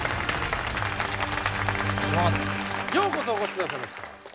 ようこそお越しくださいました。